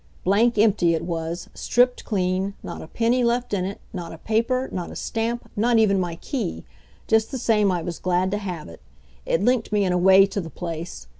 Blank empty it was, stripped clean, not a penny left in it, not a paper, not a stamp, not even my key. Just the same I was glad to have it. It linked me in a way to the place.